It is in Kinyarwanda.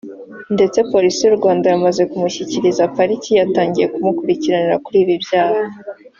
ndetse Polisi y’u Rwanda yamaze kumushyikiriza Pariki yatangiye kumukurikirana kuri ibi byaha